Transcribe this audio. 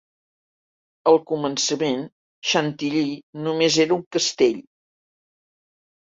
Al començament, Chantilly només era un castell.